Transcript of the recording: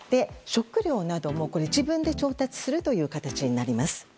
食料なども自分で調達するという形になります。